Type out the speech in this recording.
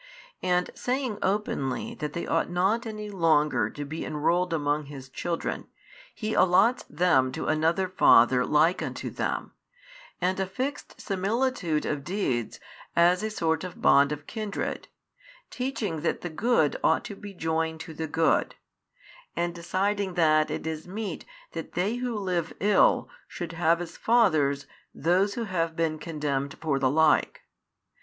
And saying openly that they ought not any longer to be enrolled among his children, He allots them to another father like unto them, and affixed similitude of deeds as a sort of bond of kindred, teaching that the good ought to be joined to the good, and deciding that it is meet that they who live ill should have as fathers those who have been condemned for the like.